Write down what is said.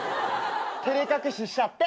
照れ隠ししちゃって。